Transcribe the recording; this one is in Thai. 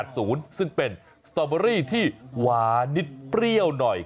ซึ่งเป็นสตอเบอรี่ที่หวานนิดเปรี้ยวหน่อย